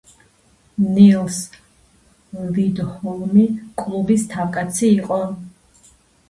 ნილს ლიდჰოლმი კლუბის თავკაცი იყო.